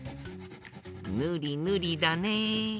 ぬりぬりだね。